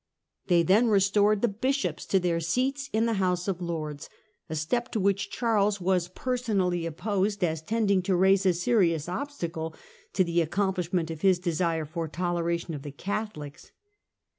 They then restored the bishops to their seats in the House of Lords, a step to which Charles was personally opposed as tending to raise a serious obstacle to the accomplishment of his desire for toleration of the Catholics.